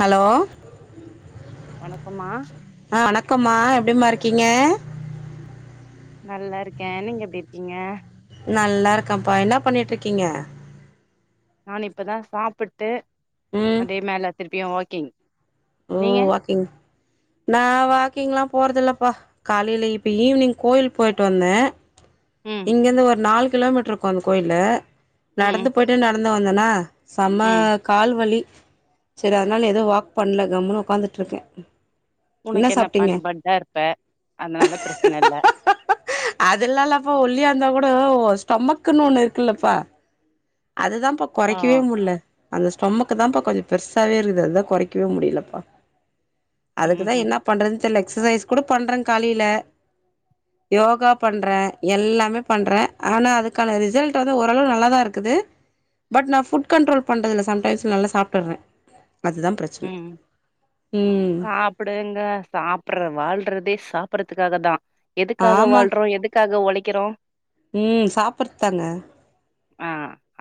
Hello வணக்கம்மா ஆஹ் வணக்கம்மா எப்படிமா இருக்கீங்க நல்லா இருக்கேன் நீங்க எப்படி இருக்கீங்க நல்லா இருக்கேன்ப்பா என்ன பண்ணிட்டு இருக்கீங்க நானு இப்பதான் சாப்பிட்டு அதே மேல திருப்பியும் வாக்கிங் நீங்க உம் வாக்கிங் நா வாக்கிங்ல்லாம் போறதில்லப்பா காலையில இப்ப ஈவினிங் கோயில் போயிட்டு வந்தேன் ம் இங்க இருந்து ஒரு நாலு கிலோமீட்டர் இருக்கும் அந்த கோயில ம் நடந்து போயிட்டு நடந்து வந்தேனா செம ம் கால்வலி சரி அதனால ஏதோ வாக் பண்ணல கம்ன்னு உட்காந்துட்டு இருக்கேன் உனக்கு என்னப்பா நீ பட்டா இருப்பே அதனால பிரச்சனை இல்ல அஹ் அதெல்லா இல்லப்பா ஒல்லியா இருந்தா கூட ஸ்டொமக்குன்னு ஒண்ணு இருக்குல்லப்பா அதுதான்ப்பா ஆ குறைக்கவே முடில அந்த ஸ்டொமக்கு தான்ப்பா கொஞ்சம் பெருசாவே இருக்குது அதுதான் குறைக்கவே முடியலப்பா ம் அதுக்குதான் ம் என்ன பண்றதுன்னு தெரியில எக்ஸசைஸ் கூட பண்றேன் காலையில யோகா பண்றேன் எல்லாமே பண்றேன் ஆனா அதுக்கான ரிசல்ட் வந்து ஓரளவு நல்லாதான் இருக்குது பட் நா ஃபுட் கண்ட்ரோல் பண்றதுல சம் டைம்ஸ் நல்லா சாப்பிட்டுறேன் அதுதா பிரச்சன ம் சாப்டுங்க சாப்புர்ற வாழ்றதே சாப்பர்துக்காக தா எதுக்காக ஆமா வாழ்றோ எதுக்காக ஒழைக்கிறோ ம் சாப்பர்த்தாங்க ஆ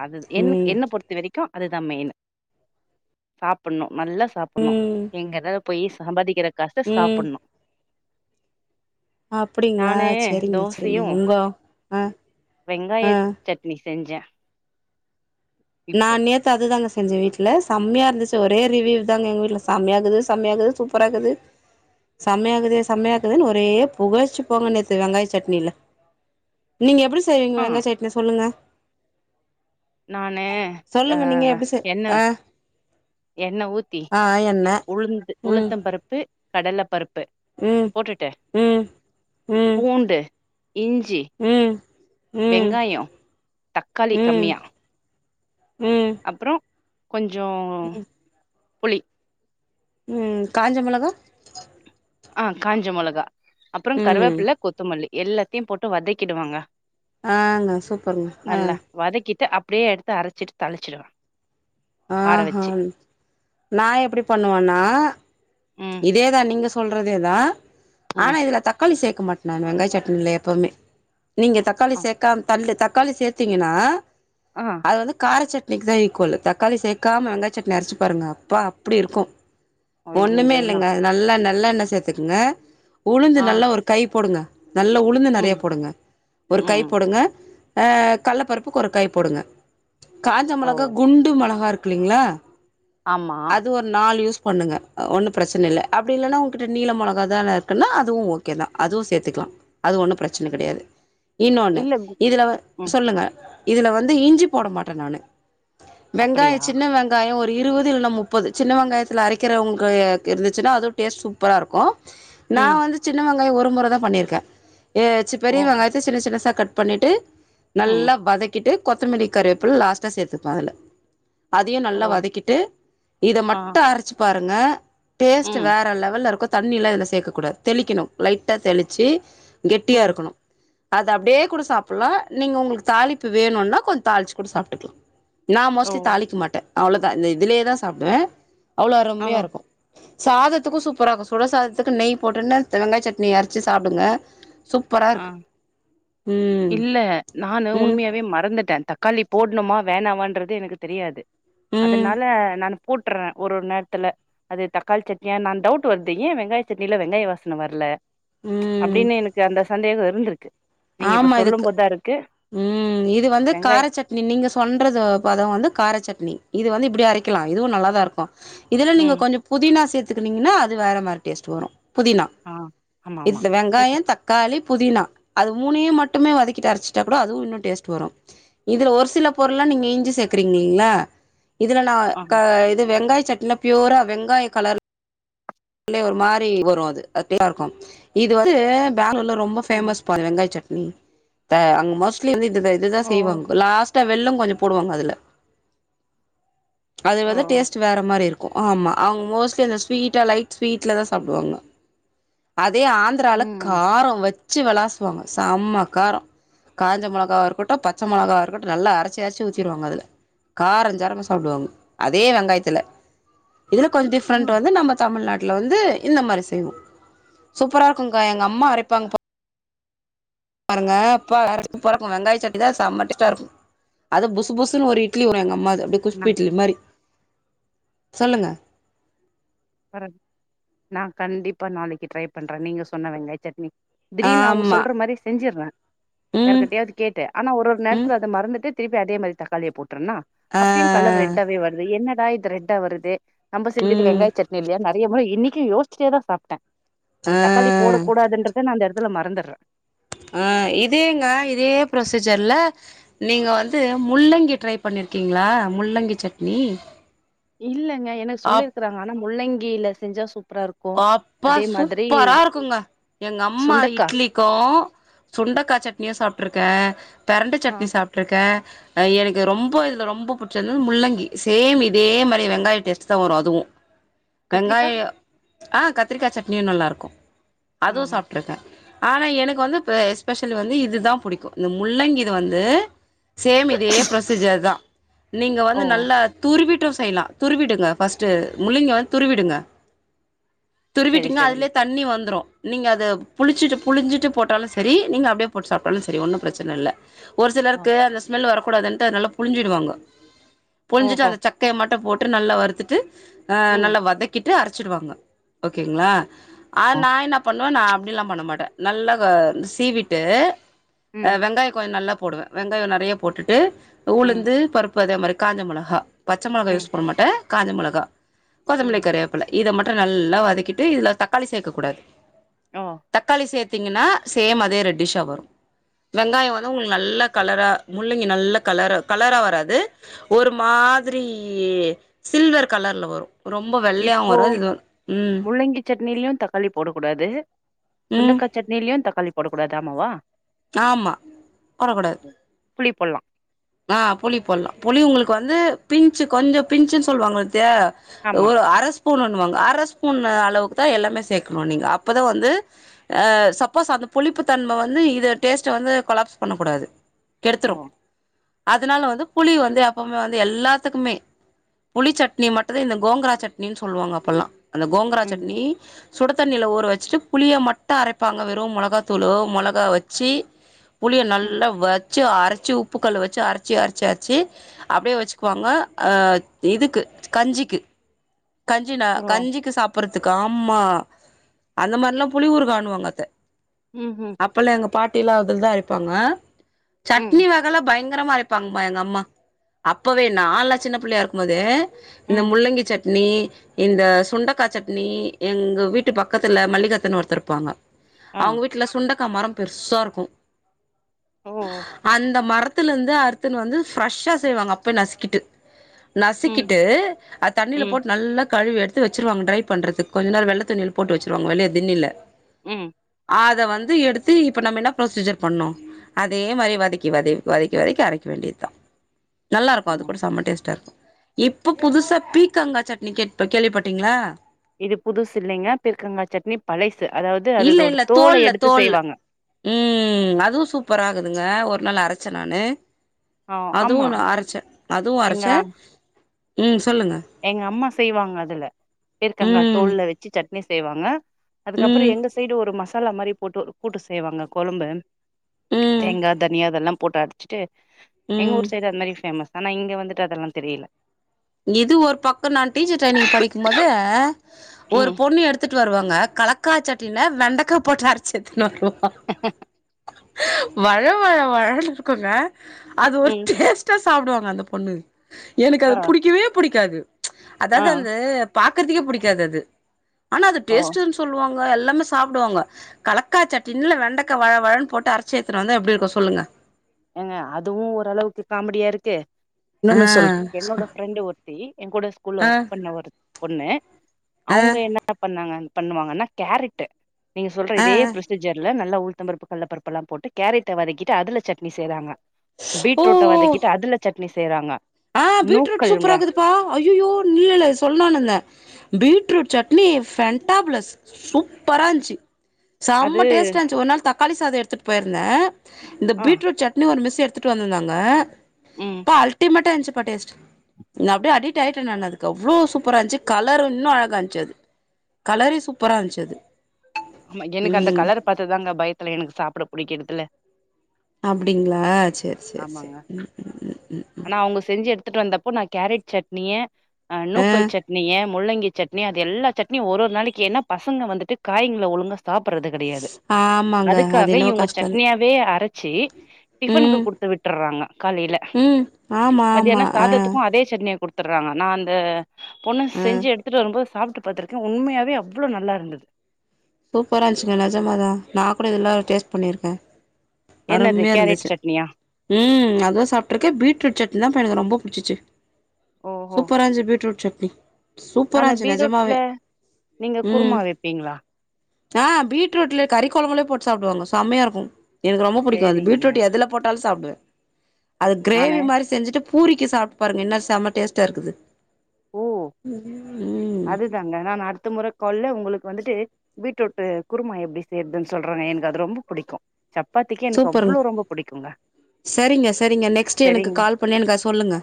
அது என்னு என்ன பொறுத்த வரைக்கு அதுதா மெய்னு சாப்புண்ணு நல்லா சாப்புண்ணு ம் எங்க தா போய் சம்பாதிக்கிற காஸ் ல சாப்புட்ணு அப்டிங்ளா நானு சேரிங்க சேரிங்க தோசையு ஒங்க ஆ வெங்காய ஆ சட்னி செஞ்சே நா இப்போ நேத்து அதுதாங்க செஞ்சே வீட்ல சம்மையாருந்துச்சு ஒரே ரிவ்யூ தாங்க எங்க வீட்ல ச செம்யாக்குது செம்யா இக்குது சூப்பரா இக்குது செமயாக்குதே செமயாக்குதேன் ஒரே புகழ்ச்சி போங்க நேத்து வெங்காய சட்னில நீங்க எப்டி செய்வீங்க ஆ வெங்காய சட்னி சொல்லுங்க நானு ஆ சொல்லுங்க நீங்க எப்டி செய் எண்ண ஆ எண்ண ஊத்தி ஆ என்ன உள்ந் ம் உளுத்தம் பருப்பு கடல பருப்பு ம் போட்டுட்டு ம் ம் பூண்டு இஞ்சு ம் ம் வெங்காயோ தக்காளி ம் கம்மியா ம் அப்றோ கொஞ்சோ புளி ம் காஞ்ச மெளகா ஆ காஞ்ச மொளகா அப்றம் ம் கருவேப்ல கொத்தமல்லி எல்லாத்தையு போட்டு வதக்கிடுவங்க ஆங்க சூப்பருங்க ஆ நல்ல வதக்கிட்டு அப்டே எடுத்து அரச்சிட்டு தாளிச்சுடுவே அ ஹன் நா எப்டி பண்ணுவன்னா ம் இதேதா நீங்க சொல்றதே தா ம் ஆனா இதுல தக்காளி சேக்க மாட் நா வெங்காய சட்னில எப்பமே நீங்க தக்காளி அ சேக்காம தள் தக்காளி சேத்தீங்கன்னா ஆ அது வந்து காரச்சட் க்கு தா ஈக்குவலு தக்காளி சேக்காம வெங்காய் சட்னி அரைச்சு பாருங்க அப்பா அப்டி இருக்கு அய்ய ஒண்ணுமே யோ இல்லங்க நல்லா நல்லெண்ண சேத்துக்குங்க உளுந்து ஆ நல்லா ஒரு கை போடுங்க நல்ல உளுந்து நறைய ம் போடுங்க ஒரு கை ம் போடுங்க அ கல்ல பருப்பு ஒரு கை போடுங்க காஞ்ச ஓ மொளகா குண்டு மொளகாருக் கு இல்லிங்ளா ஆமா அது ஒரு நாலு யூஸ் பண்ணுங்க ஒன்னு பிரச்சன இல்ல அப்டி இல்லன்னா உங்கிட்ட நீள மொளகா தான இருக்குன்னா அதுவு ஓகே தா அதுவு சேத்திக்கலா அது ஒன்னு பிரச் ச்சன கடையாது இன்னொன்னு இல்ல கு இதுல ம் சொல்லுங்க இதுல வந்து இஞ்சி போட மாட்டே நானு வெங்காய அப்படியா சின்ன வெங்காயோ ஒரு இருவது இல்னா முப்பது சின்ன வெங்காயத்துல அரைக்கிறவங்க இருந்துச்சுனா அதுவு டேஸ்ட் சூப்பரா இருக்கு நா ம் வந்து சின்ன வெங்காயோ ஒரு முற தா பண்ணிருக்க ஏ சிப் ஓ பெரிய வெங்காயத்த சின்ன சின்னசா கட் பண்ணிட்டு ம் நல்லா வதக்கிட்டு கொத்தமெல்லி கருவேப்பிள்ள லாஸ்ட்டா சேத்துப்பே அதுல அதயு ஓ நல்லா வதக்கிட்டு இத ஆ மட்டு அரைச்சு பாருங்க டேஸ்ட்டு ம் வேற லெவல்லருக்கு தண்ணில்லா இதுல சேக்க கூடாது தெளிக்குணு லைட்டா தெளிச்சு ம் கெட்டியாருக்கணு அத அப்டே கூட சாப்புல்லா நீங்க உங்ளுக்கு தாளிப்பு வேணுனா கொஞ் தாளிச்சு கூட சாப்ட்டுக்லா நா ஓ மோஸ்ட்லி தாளிக்க மாட்டே அவ்ள தா இந்த இதுலே தா சாப்டுவே அவ்ளோ ஓ அருமையாருக்கு சாதத்துக்கு சூப்பராருக்கு சுடசாதத்துக்கு நெய் போட்டுன்னு வெங்காய் சட்னி அரைச்சு சாப்டுங்க சூப்பரா அ இருக்கு ம் இல்ல நானு ம் உண்மையாவே மறந்துட்டே தக்காளி போட்ணுமா வேணாவன்றது எனக்கு தெரியாது ம் அதனால நானு போட்டுர்றே ஒரு ஒரு நேரத்துல அது தக்காளி சட்னியா இன்னா டவுட் வருது ஏன் வெங்காய சட்னில வெங்காய வாசன வரல ம் அப்டின்னு எனக்கு அந்த சந்தேகோ இருந்துருக் நீங்க இப்ப ஆமா சொல்லும் இதுக்கு போதாருக்கு ம் இது வந்து கார சட்னி நீங்க சொல்றது பதம் வந்து கார சட்னி இது வந்து இப்டி அரைக்கலா இதுவு நல்லாதா இருக்கு இதுல நீங்க ம் கொஞ்சோ புதினா சேத் துக்குனீங்கன்னா அது வேற மாரி டேஸ்ட் வரும் புதினா ஆ ஆமா ஆமா இதுல சேத்து வெங்காய தக்காளி புதினா அது மூனையும் மட்டுமே வதக்கிட்டு அரைச்சுட்டாக்கூட அதுவும் இன்னு டேஸ்ட் வரு இதுல ஒரு சில பொருள்லா நீங்க இஞ்சி சேக் கறீீங்கள்ல இதுல நான் ஆ க இது வெங்காய சட்னில பியூரா வெங்காய கலரு ஒரு மாரி வரும் அது அது [inaudible] இருக்கு இது வந்து பெங்ளூர்ல ரொம்ப ம் பேமஸ் பா வெங்காய சட்னி ப அங்க மோஸ்ட்லி இதுதா இதுதா ஓ செய்வாங்கோ லாஸ் டா வெல்லோ கொஞ்சோ போடுவாங்க அதுல அது ஓ வந்து டேஸ்ட் வேற மாரி இருக் கும் ஆமா அவுங்க மோஸ்ட்லி இந்த ஸ்வீட்டா லைட் ஸ்வீட்ல தான் சாப்டுவாங்கோ அ அதே ஆந்திரால ம் கார வச்சு விளாசுவாங்க செம்ம கார காஞ்ச மெளகா இருக்கட்டு பச்ச மெளகாவா இருக்கட்டு நல்லா அரைச்சி அரைச்சு ஊத்திருவாங்க அதுல காரஞ்சரமா சாப்டுவாங்க அதே வெங்காயத்துல இதுல கொஞ்ச டிஃப்ரெண்ட் ம் வந்து நம்ம தமிழ்நாட் டுல வந்து இந்த மாரி செய்வோம சூப்பரா இருக்குங்கா எங்க அம்மா அரைப்பாங்க பா பாருங்க அப்பா வேற பறக்கு வெங்காய சட்டிதான் செம்ம டேஸ்டா இருக்கு அது புசு புசு ஒரு இட்லி வரு எங்க அம்மாக் கு அப்டிய நா குஸ்பு இட்லி மாரி சொல்லுங்க கரெ நான் கண்டிப்பா நாளைக்கு ட்ரை பண்றே நீங்க சொன்ன வெங்காய சட்னி திடீன்னு அவுங்க ஆமா சொல்ற மாரி செஞ்சிறே ம் யார்கிட்டயாவது கேட்டு ஆனா ஒரு ஒரு ம் நேரத்துல அத மறந்துட்டு திருப்பி அதே மாரி தக்காளியை போட்ருனா ஆ அப்பயு கலர் ரெட்டாவே வருது என்னடா இது ரெட்டா வருதே நம்ம செஞ்சது ம் வெங்காய் சட்னி இல்லையா நெறைய முறை இன்னைக்கு யோசிட்டே தா சாப்ட்ட அது ஆ தக்காளி போட கூடாதுன்றத நா அந்த எடத்துல மறந்துற ஆ இதேங்க இதே ஃப்ரொசீஜர்ல நீங்க வந்து முள்ளங்கி ட்ரை பண் ணிருக்கீங்களா முள்ளங்கி சட்னி இல்லங்க எனக்கு அப் சொல்லிருக்கறாங்க ஆனா முள்ளங்கில செஞ்சா சுத் அப்பா சூப்பரா இருக்குங்க எங்க அம்மா சுண்டக்கா இட்லிக்கு சுண்டக்காய் சட்னியு சாப்ட்ருக்கே பெரண்ட ஆ சட்னி சாப்ட்ருக்கே எனக்கு ரொம்ப இதுல ரொம்ப புடிச்சது முள்ளங்கி சேம் இதே மாரி வெங்காய டேஸ்ட் தான் வரும் அதுவும் வெங்காய கத்திரிக்கா ஆ கத்திரிக்காய் சட்னியு நல்லாருக்கு அதுவு ம் சாப்ட்ருக்கே ஆனா எனக்கு வந்து எஸ்பெஷலி வந்து இதுதான் புடிக்கு இந்த முள்ளங்கி இது வந்து சேம் இதே ப்ரொசீஜர் தா நீங்க வந்து ஓ நல்லா துருவிட் செய்யலா துருவிடுங்க ஃபஸ்ட்டு முள்ளிங்கத் துருவிடுங்க செரி துருவிட்டீங்கன்னா செரிங்க அதுலயே தண்ணி வந்துரு நீங்க அத புளிச்சிட்டு புளிஞ்சிட்டு போட்டாலு சரி நீங்க அப்டியே போட்டு சாப்ட்டாலு சரி ஒன்னு பிரச்சனை இல்ல ஒரு ஓ சிலருக்கு அந்த ஸ்மெல் வரக்கூடாதுன்ட்டு அத நல்லா புழிஞ்சிடுவாங்க புழிஞ்சிட்டு ஓஹோ அந்த சக்கையை மட்டு போட்டு நல்லா வறுத்துட்டு அ ம் நல்ல வதக்கிட்டு அ டுவாங்கோ ஓகேங்களா நா என்ன பண்ணுவே ந அப்டி எல்லா பண்ண மாட்டே நல்லா சீவிட்டு ம் வெங்காய கொஞ்ச நல்லா போடுவே வெங்காய நறையா போட்டுட்டு ம் உளுந்து பருப்பு அதே மாரி காஞ்ச மொளகா பச்சை மொளகா ம் யூஸ் பண்ண மாட்டே காஞ்ச மொளகா கொத்தம்பல ம் கரை இதை மட்டும் நல்லா வதக்கிட்டு இதுல தக்காளி சேர்க்கக்கூடாது ஓ தக்காளி சே த்தீங்கன்னா சேம் அதே ரெட்டடிஷா வரு வெங்காய வந்து உங்களுக்கு நல்ல கலரா முள்ளங்கி நல்ல கலர் கலரா வராது ஒரு மா மாதிரி சில்வர் கலர்ல வரு ரொம்ப [unintelligible] இப்போ வரும் இது ம் முள்ளங்கி சட்னிலயு தக்காளி போடக் கூடாது ம் சுண்டக்கா சட்னியிலயு தக்காளி போடக் கூடாது ஆமாவா ஆமா போடக் கூடாது ம். புளி போட்லா ஆ புளி போட்லா புளி உங்களுக்கு வந்து பின்ச்சு கொஞ்ச பின்ச்சுன்னு சொல்லுவாங்களத்தியா ஆமா ஒரு அரஸ் ஸ்பூன்வாங்க அர ஸ்பூன் அளவுக்கு தா எல்லாமே சேக்கனு நீங்க அப்பதா வந்து சப்போஸ் அந் புளிப்புத்தன்ம வந்து இத டேஸ்ட்ட வந்து கொலாப்ஸ் பண்ணக்கூடாது ஓ கெடுத்துரும் அதுனால வந்து புளி வந்து எப்பவுமே வந்து எல்லாத்துக்குமே புளி சட்னி மட்டுதா இந்த கோங்கரா சட்னின்னு சொல்லுவாங்க அப்பல்லாம் அந்த கோங்கரா ம் சட்னி சுடு தண்ணியில ஊற வச்சுட்டு புளிய மட்டு அரப்பாங்க வெறு மொளகா தூளு மொளகா வச்சி புளிய ம் நல்லா வச்சு அரச்சி உப்புக்கல்ல வச் சு அரச்சி அரச்சி அரச்சி அப்டியே வச்சுக்குவாங்க இதுக்கு கஞ்சிக்கு கஞ்சினா ஓ கஞ்சிக்கு சாப் புறத்துக்கு ஆமா அந்த மாரில்லா புளி ஊருகாணுவாங்கத ம் ம் அப்பல்லா எங்க பாட்டியில அததா அரப்பாங்க ம் சட்னி வகல பயங் ரமா அரப்பாங்கப்பா எங்க அம்மா அப்பவே நாலா சின்ன பிள்ளயா இருக்கும் போதே இந்த ம் முள்ளங்கி சட் னி இந்த சுண்டக்கா சட்னி எங்க வீட்டு பக்கத்துல மல்லிகாத்தன்னு ஒருத்தருப்பாங்க ஆ அவங்க வீட்ல சுண்டக்கா மர பெருசா இருக்கும் ஓ அந்த மரத் துல இருந்து அருத்துனு வந்து ஃப்ரெஷ்ஷா செய்வாங்க அப்பய நசிக்கிட்டு ம் நசிக்கிட்டு அது தண்ணியில ம் போட்டு நல்லா கழுவி எடுத்து வச்சுருவாங்க ட்ரை பண்றதுக் கொஞ்ச நாள் வெள்ள துணில போட்டு வச்சிருவாங்க வெளிய திண்ணைல்ல ம் அத வந்து எடுத்து இப்போ நம்ம என்ன ப்ரொசீஜர் பண்ணோ அதே மாரி வதக்கி வத வதக்கி வதக்கி அரைக்க வேண்டியது தா நல்லாயிருக்கும் அது ம் கூட செம்ம டேஸ்ட்டா இருக்கும் இப்ப புதுசா பீக்கங்கா சட்னி கேள்விப்பட்டீங்களா இது புதுசு இல்லைங்க பீர்கங்கா சட்னி பழ இல்ல இல்ல தோல்ல தோல் ம் அதுவு சூப்பரா இருக்குதுங்க ஒரு நாள் அர ச்சன் நானு ஆ அதுவு ஆமா நா அரச்சே அதுவு எங்க அரச்சேன் எங்க அம்மா செய்வாங்க அதுல பூர்க்கங்கா ம் தோல்ல வச்சு சட்னி செய்வாங்க அதுக்கப்புற ம் எங்க சைடு ஒரு மசாலா மாரி போட்டு கூட்டு செய்வாங்க கொழம்பு ம் தேங்கா தனியா இதெல்லா போட்டு அரச்சிட்டு எங்க ம் ஊர் சைடு அது மாதிரி ஃபேமஸ் ஆனா இங்க வந்துட்டு அதெல்லா தெரியல இது ஒரு பக்க நா டீச்சர் ட்ரைனிங் படிக்கும் போது ஒரு ம் பொண்ணு எடுத்துட்டு வருவாங்க கலக்காச்சட் திண்ண வெண்டக்கா போட்டு அரச்சு எடுத்துன்னு வருவா ஹ வழ வழ வழன்னு இருக்குங்க அது ஒரு ம் டேஸ்ட்டா சாப்புடுவாங்க அந்த பொண்ணு எனக்கு ஆ அது புடிக்கவே புடிக்காது ஆ அதாவது அந்து பாக்றதுக்கே புடிக்காது அது ஆனா அது ஓ டேஸ்ட் சொல்லுவா எல்லாமே சாப்பிடுவாங்க கலக்காச்சட்னு வெண்டக்கா வழ வழன்னு போட்டு அரச்சியடுத்துட்டு வந்தா எப்டி இருக்கும் சொல்லுங்க ஏங்க அதுவு ஓரளவுக்கு காமெடியா இருக்கு ஆ இன்னொன்னு சொல்ற என்னோட ஃப்ரெண்டு ஒருத்தி என் கூட ஸ்கூல்ல ஆ ஒர்க் பண்ண ஒரு பொண்ணு ஆ அவங்க என்ன பண்ணாங்க பண்ணுவாங்கன்னா கேரட் நீங்க சொல்ற ஆ இதே ப்ரொசீஜர்ல ந ல்ல உளத்தம்பருப்பு கட்ல பருப்பல்லா போட்டு கேரட்ட வதக்கிட்டு அதுல சட்னி செய்ராங்க ஓ பீட்ரூட்ட ஓ வதக்கிட்டு அதுல சட்னி செய்யறாங்க ஆ பீட்ரூட் சூப்பராகுதுப்பா அய்யய்யோ [unintelligible] சொல்லானுந்தே பீட்ரூட் சட்னி ஃபண்டாப்ளஸ் சூப்பராஞ்சி அது செம்ம டேஸ்ட்டாந்துச்சு ஒரு நாள் தக்காளி சாதம் எடுத்துட்டு போயிருந்தே இந்த ஆ பீட்ரூட் சட்னி ஒரு மிஸ் எடு த்துட்டு வந்திர்ந்தாங்க ம் ப்பா அல்டிமேட்டா இருஞ்சுப்பா டேஸ்ட்டு நா அப்டியே அடிட் ஆயிட்டே நான் அதுக்கு அவ்ளோ சூப்பரா இந்துச்சு கலர் இன்னு அழகாந்துச்சு அது கலரே சூப்பரா இருஞ்சது ம் எனக்கு அந்த கலர் பாத்து தாங்க பயத்துல எனக்கு சாப்பிட பிடிக்க எட்டல அப்டிங்களா சேரி சேரி சேரி ம் ம் ம் ம் ம் ஆனா அவங்க செஞ்சு எடுத்துட்டு வந்தப்போ நா கேரட் சட்னிய நூக்கல் சட்னிய முள்ளங்கி சட்னி அது எல்லா சட்னியும் ஒரு ஒரு நாளைக்கு ஏன்னா பசங்க வந்துட்டு காய்கள ஒழுங்கா சாப்புறது கெடையாது ஆ ஆமாங்க அது அதுக்காக என்னவோ இவங்க கஷ்டந்தா சட்னியாவே அரைச்சு டிஃபனுக்கு ம் குடுத்து விட்டுறாங்க காலையில ல ம் ஆமா ஆமா மத்தியான ஆ சாதத்துக்கு அதே சட்னிய குடுத் த்துறாங்க நா அந்த பொண்ணு ஆ செஞ்சு எடுத்துட்டு வரும்போ சாப்ட்டு பாத்தருக்கே உண்மையாவே அவ்வள நல்லா இருந்தது சூப்பரா இருந்துச்சுக்கங்க நஜமாதா நா கூட இதெல்லா டேஸ்ட் பண்ணியிருக்கே என்னது அருமையா கேரட் இருந்துச்சு சட்னியா ம் அதுவு சாப்ட்டுருக்க பீட்ரூட் சட்னி தா பா எனக்கு ரொம்ப புடிச்சிச்சு ஓஹோ சூப்பராஞ்சு பீட்ரூட் சட்னி சூப்பரா நானு இருன்ஞ்சி நெஜமாவே பீரோட்ல நீங்க குருமா ம் வைப்பீங்களா ஆ பீட்ரூட்ல கறி கொழம்பலே போட்டு சாப்டுவாங்க செம்மையா இருக்கு எனக்கு ரொம்ப பிடிக்கு அது சேரிங்க பீட்ரூட் எதுல போட்டாலும் சாப்டுவே அது கிரேவி நானு மாதிரி செஞ்சுட்டு பூரிக்க சாப்ட்டு பாருங்க இன்ன செம ம டேஸ்ட்டா இருக்குது ஓ ம் அதுதாங்க நான் அடுத்த முறை கொள்ள உங்களுக் வந்துட்டு பீட்ரூட் குருமா எப்படி செய்றதுன்னு சொல்றாங்க எனக்கு அது ரொம்ப புடிக்கு சப்பாத்திக்கு எனக்கு சூப்பருங்க அவ்ளோ ரொம்ப புடிக்குங்க சரிங்க சரிங்க நெக்ஸ்ட் எனக்கு சரிங்க கால் பண்ணி எனக்கு அத சொல்லுங்க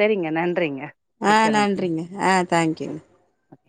சரிங்க நன்றிங்க ஆ வச்சர்றேங்க நன்றிங்க ஆ தேங்க்யூங்க ஓகே.